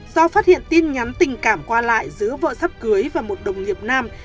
do phát hiện tin nhắn tình cảm qua lại giữa vợ sắp cưới và một đồng nghiệp nam